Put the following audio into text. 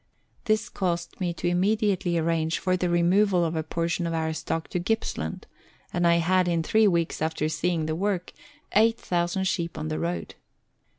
This caused me to immediately arrange for the removal of a portion of our stock to Gippsland, and I had, in three weeks after seeing the work, eight thousand sheep on the road.